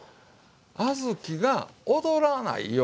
小豆が踊らないようにって。